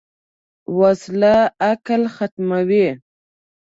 وسله عقل ختموي